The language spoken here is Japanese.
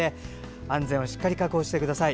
安全をしっかりと確保してください。